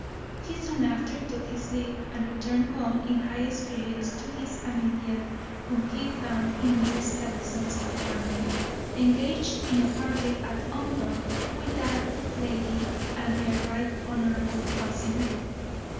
He soon after took his leave, and returned home in high spirits to his Amelia, whom he found in Mrs. Ellison's apartment, engaged in a party at ombre with that lady and her right honourable cousin.